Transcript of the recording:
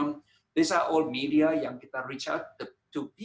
ini semua media yang kita mencapai